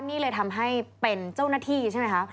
นี่เลยทำให้เป็นเจ้าหน้าที่ใช่ไหมคะ